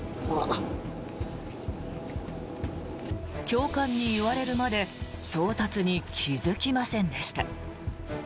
教官に言われるまで衝突に気付きませんでした。